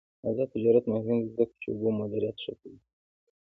آزاد تجارت مهم دی ځکه چې اوبه مدیریت ښه کوي.